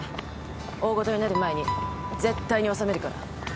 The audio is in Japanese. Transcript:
大事になる前に絶対に収めるから。